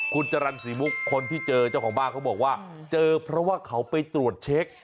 คุณจรรย์ศรีมุกคนที่เจอเจ้าของบ้านเขาบอกว่าเจอเพราะว่าเขาไปตรวจเช็ค